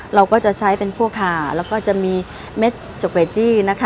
เราก็จะใช้เป็นพวกขาแล้วก็จะมีเม็ดจเวจี้นะคะ